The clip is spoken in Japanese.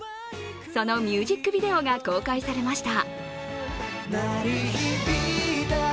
そのミュージックビデオが公開されました。